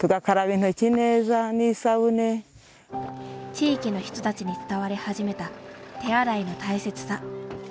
地域の人たちに伝わり始めた手洗いの大切さ。